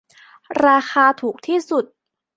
ราคาถูกที่สุด